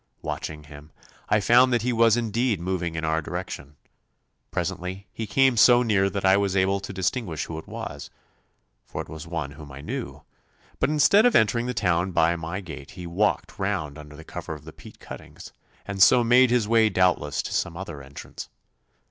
Watching him, I found that he was indeed moving in our direction. Presently he came so near that I was able to distinguish who it was for it was one whom I know but instead of entering the town by my gate he walked round under cover of the peat cuttings, and so made his way doubtless to some other entrance.